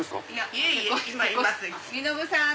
いえいえ。